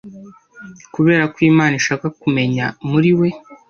Kuberako imana ishaka kumenya muriwe